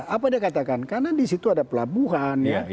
apa dia katakan karena disitu ada pelabuhan